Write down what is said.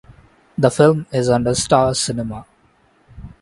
The film is under Star Cinema.